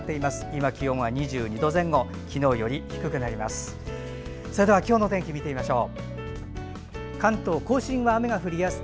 今、気温は２２度前後昨日より低くなります。